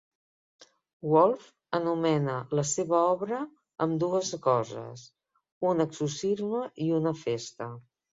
Wolfe anomena la seva obra ambdues coses, un exorcisme i una festa.